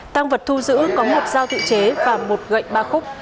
tăng vật thu giữ có một dao tự chế và một gậy ba khúc